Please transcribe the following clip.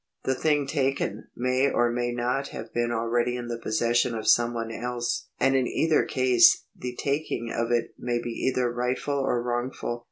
The thing taken may or may not have been abeady in the possession of some one else, and in either case the taking of it may be either rightful or wrongful.